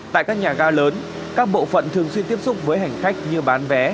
tại các nhà ga lớn các bộ phận thường xuyên tiếp xúc với hành khách như bán vé